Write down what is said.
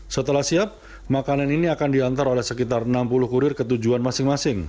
setelah siap makanan ini akan diantar oleh sekitar enam puluh kurir ke tujuan masing masing